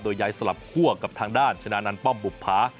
โดยยายสลับคั่วกับทางด้านชนะนันต์ป้อมบุภา